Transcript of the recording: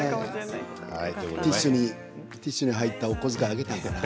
ティッシュに入ったお小遣いあげたかな。